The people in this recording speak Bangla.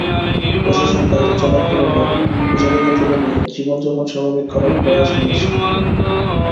প্রশাসন বাইরে চলাফেরার ওপর নিষেধাজ্ঞা তুলে নিয়ে জীবনযাপন স্বাভাবিক করার প্রয়াস নিয়েছে।